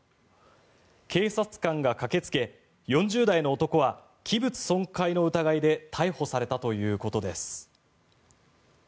警察官が駆けつけ４０代の男は器物損壊の疑いで逮捕されたということです。